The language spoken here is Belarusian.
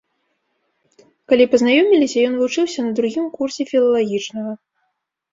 Калі пазнаёміліся, ён вучыўся на другім курсе філалагічнага.